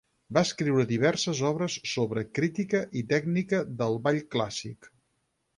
Va escriure diverses obres sobre crítica i tècnica del ball clàssic.